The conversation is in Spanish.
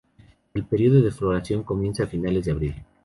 El período de floración comienza a finales de abril.